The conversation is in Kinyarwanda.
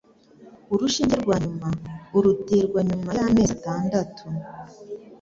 urushinge rwa nyuma uruterwa nyuma y'amezi atandatu.